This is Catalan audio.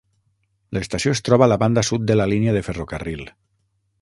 L'estació es troba a la banda sud de la línia de ferrocarril.